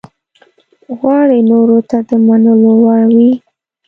غواړي نورو ته د منلو وړ وي.